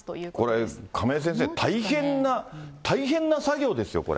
これ、亀井先生、大変な、大変な作業ですよ、これ。